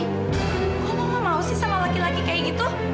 kok mama mau sih sama laki laki kayak gitu